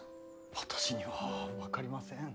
私には分かりません。